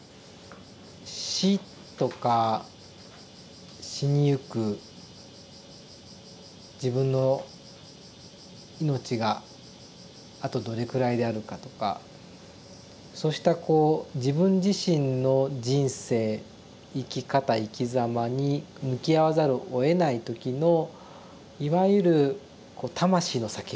死とか死にゆく自分の命があとどれくらいであるかとかそうしたこう自分自身の人生生き方生きざまに向き合わざるをえない時のいわゆるこう魂の叫び。